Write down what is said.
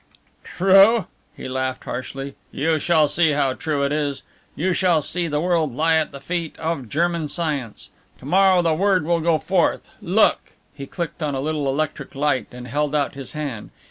"True?" he laughed harshly, "you shall see how true it is. You shall see the world lie at the feet of German science. To morrow the word will go forth. Look!" He clicked on a little electric light and held out his hand.